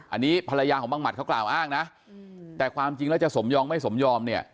อันนี้ภรรยาของบังหมัดเขากล่าวอ้างนะแต่ความจริงแล้วจะสมยอมไม่สมยอมเนี่ย